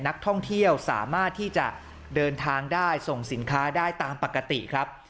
นักท่องเที่ยวสามารถที่จะเดินทางได้ส่งสินค้าได้ตามปกติครับ